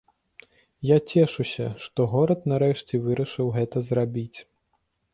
Я цешуся, што горад нарэшце вырашыў гэта зрабіць.